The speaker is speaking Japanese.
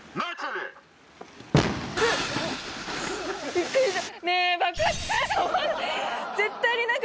びっくりした。